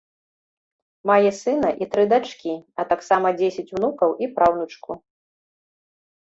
Мае сына і тры дачкі, а таксама дзесяць унукаў і праўнучку.